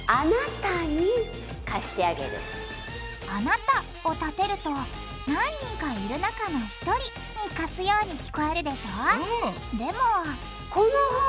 「あなた」をたてると何人かいる中の１人に貸すように聞こえるでしょうん！